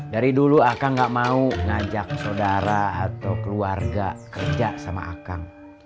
dari dulu aka gak mau ngajak saudara atau keluarga kerja sama akag